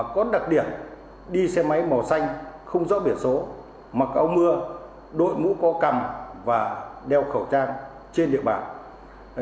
có đặc điểm đi xe máy màu xanh không rõ biển số mặc áo mưa đội mũ co cầm và đeo khẩu trang trên địa bàn